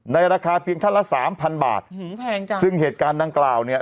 ราคาเพียงท่านละสามพันบาทหือแพงจังซึ่งเหตุการณ์ดังกล่าวเนี่ย